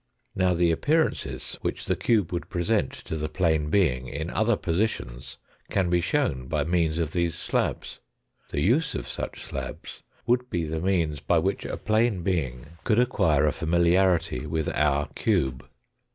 Now the appearances which the cube would present to the plane being in other positions can be shown by means of these slabs. The use of such slabs would be the means by which a plane being could acquire a 236 THE FOURTH DIMENSION familiarity with our cube.